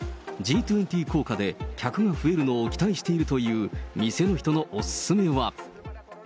Ｇ２０効果で、客が増えるのを期待しているという店の人のお勧めは。